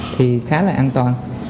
thì khá là an toàn